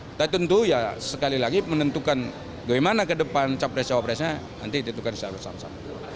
kita tentu ya sekali lagi menentukan bagaimana ke depan capres cawapresnya nanti ditentukan secara bersama sama